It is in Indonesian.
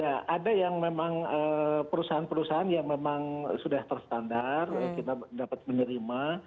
ya ada yang memang perusahaan perusahaan yang memang sudah terstandar kita dapat menerima